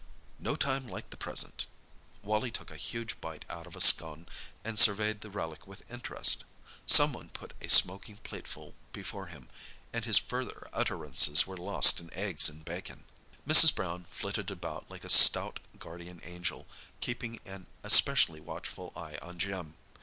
"No time like the present." Wally took a huge bite out of a scone, and surveyed the relic with interest. Someone put a smoking plateful before him, and his further utterances were lost in eggs and bacon. Mrs. Brown flitted about like a stout guardian angel, keeping an especially watchful eye on Jim.